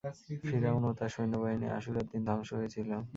ফিরআউন ও তার সৈন্যবাহিনী আশুরার দিন ধ্বংস হয়েছিল।